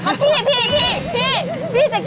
พี่พี่จะกินได้ไหม